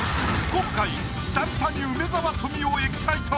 今回久々に梅沢富美男エキサイト！